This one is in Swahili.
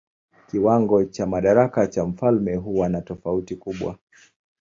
Kiwango cha madaraka cha mfalme huwa na tofauti kubwa.